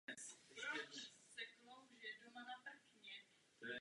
Vyskytuje se v Indii a Pákistánu.